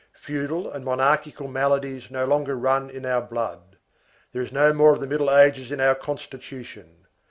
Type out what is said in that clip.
Feudal and monarchical maladies no longer run in our blood. There is no more of the Middle Ages in our constitution.